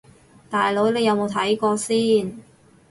大佬你有冇睇過先